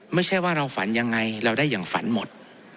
ไม่ใช่ว่าเราฝันยังไงเราได้อย่างฝันหมด